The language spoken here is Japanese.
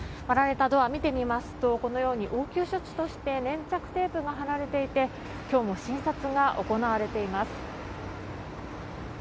割られたドア、見てみますとこのように応急処置として粘着テープが貼られていて今日も診察が行われています。